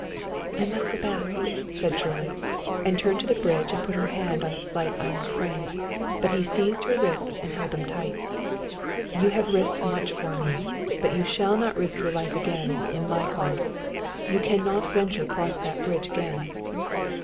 "I must go back," said Shirley, and turned to the bridge and put her hand on its slight iron frame; but he seized her wrists and held them tight. "You have risked much for me, but you shall not risk your life again, in my cause. You can not venture cross that bridge again."